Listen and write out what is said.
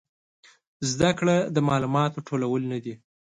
زده کړه د معلوماتو ټولول نه دي